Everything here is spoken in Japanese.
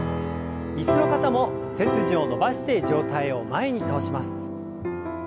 椅子の方も背筋を伸ばして上体を前に倒します。